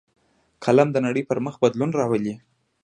قلم د نړۍ پر مخ بدلون راولي